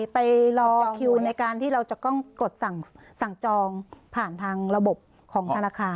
ไปรอคิวในการที่เราจะต้องกดสั่งจองผ่านทางระบบของธนาคาร